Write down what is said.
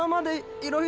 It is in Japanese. いろいろ。